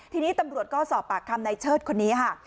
ทีนี้ตำรวจก็สอบปากคำในเชิดคนนี้ค่ะ